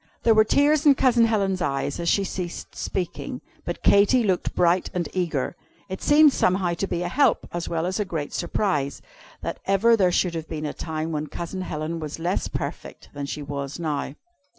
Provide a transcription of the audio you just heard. There were tears in Cousin Helen's eyes as she ceased speaking. But Katy looked bright and eager. It seemed somehow to be a help, as well as a great surprise, that ever there should have been a time when Cousin Helen was less perfect than she was now.